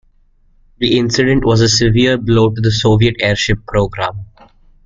The incident was a severe blow to the Soviet airship program.